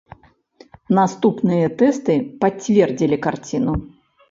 Наступныя тэсты пацвердзілі карціну.